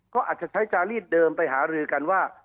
ก็อาจจะใช้จารีดเดิมไปหารือกันว่า